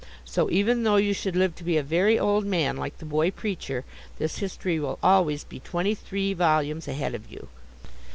So even though you should live to be a very old man, like the boy preacher, this history will always be twenty three volumes ahead of you.